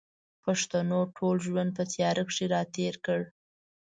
پښتنو ټول ژوند په تیاره کښې را تېر کړ